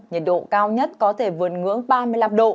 nhiệt độ cao nhất có thể vượt ngưỡng ba mươi năm độ